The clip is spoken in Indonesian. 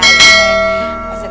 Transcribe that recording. pasalnya masih cinta